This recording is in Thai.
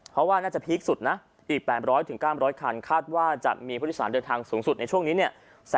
เพราะว่าน่าจะพีคสุดนะอีก๘๐๐๙๐๐คันคาดว่าจะมีผู้โดยสารเดินทางสูงสุดในช่วงนี้เนี่ย